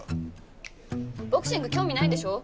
ボクシング興味ないんでしょ？